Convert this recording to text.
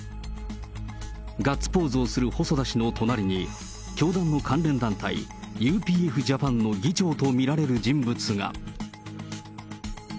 ガッツポーズをする細田氏の隣に、教団の関連団体、ＵＰＦジャパンの議長と見られる人物が。